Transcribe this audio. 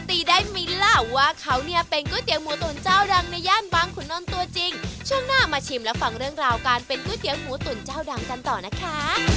ตีได้ไหมล่ะว่าเขาเนี่ยเป็นก๋วยเตี๋ยวหมูตุ๋นเจ้าดังในย่านบางขุนนท์ตัวจริงช่วงหน้ามาชิมและฟังเรื่องราวการเป็นก๋วยเตี๋ยวหมูตุ๋นเจ้าดังกันต่อนะคะ